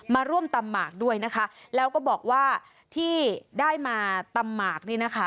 มาร่วมตำหมากด้วยนะคะแล้วก็บอกว่าที่ได้มาตำหมากนี่นะคะ